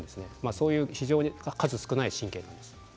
そういう非常に数少ない神経です。